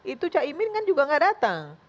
itu caimin kan juga gak datang